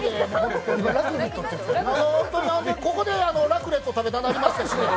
ここでラクレット食べたなりました。